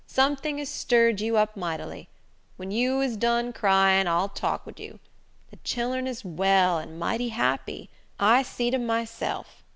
Something has stirred you up mightily. When you is done cryin, I'll talk wid you. De chillern is well, and mighty happy. I seed 'em myself.